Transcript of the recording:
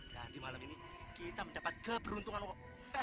dan di malam ini kita mendapat keberuntungan wak